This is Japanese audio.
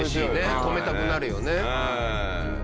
止めたくなるよね。